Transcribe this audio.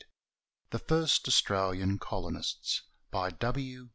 i THE FIRST AUSTRALIAN COLONISTS BY W.